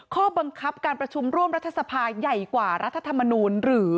ข้อบังคับการประชุมร่วมรัฐสภาใหญ่กว่ารัฐธรรมนูลหรือ